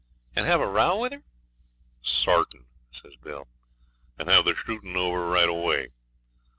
'And have a row with her?' 'Sartin,' says Bill, 'and hev the shootin' over right away.